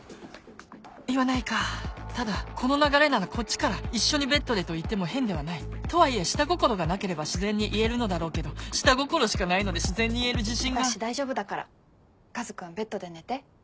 言わないかただこの流れならこっちから「一緒にベッドで」と言っても変ではないとはいえ下心がなければ自然に言えるのだろうけど下心しかないので自然に言える自信が私大丈夫だからカズ君ベッドで寝て。